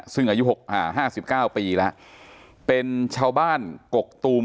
ซึ่งอายุ๕๙ปีแล้วเป็นชาวบ้านกกตูม